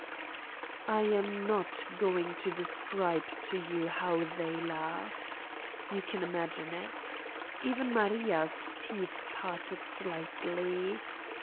I am hot going to describe to you how they laughed. You can imagine it. Even Maria's teeth parted slightly.